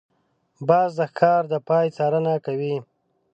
باز د ښکار د پای څارنه کوي